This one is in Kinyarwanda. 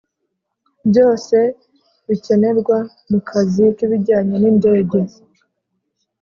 Byose bikenerwa mu kazi k ibijyanye n indege